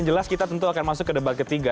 jelas kita tentu akan masuk ke debat ketiga